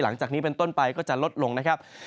หลังจากนี้เป็นต้นไปก็จะลดลงนะครับ